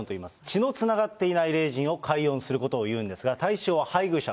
血のつながっていない霊人を解怨することを言うんですが、対象は配偶者。